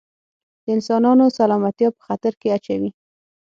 د انسانانو سلامتیا په خطر کې اچوي.